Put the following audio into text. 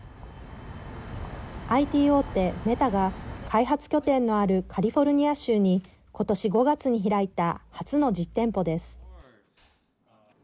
ＩＴ大手メタが開発拠点のあるカリフォルニア州にことし５月に開いた初の実店舗です。